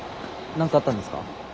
何かあったんですか？